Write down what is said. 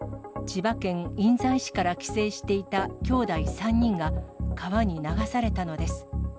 千葉県印西市から帰省していたきょうだい３人が川に流されたのです。